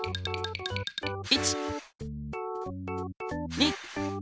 １！２！